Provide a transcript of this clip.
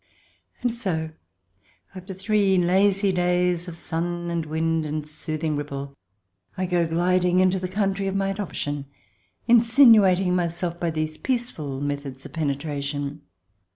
... And so, after three lazy days of sun and wind and soothing ripple, I go gliding into the country of my adoption, insinuating myself by these peaceful methods of penetration.